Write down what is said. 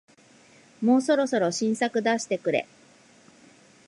もうそろそろ新作出してくれ